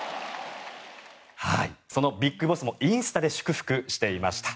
そのＢＩＧＢＯＳＳもインスタで祝福していました。